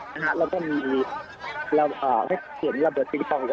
และก็เป็นอาจจะเห็นไฟเวนรับอดปริของอยู่